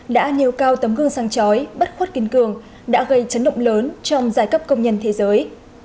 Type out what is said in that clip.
đã nhiều cao tấm gương sang chói bất khuất kiên cường đã gây chấn động lớn trong giai cấp công nhân thế giới